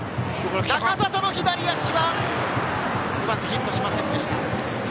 仲里の左足は、うまくヒットしませんでした。